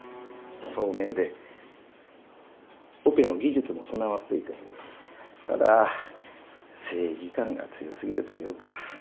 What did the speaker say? そうめいでオペの技術も備わっていてただ正義感が強すぎるというか。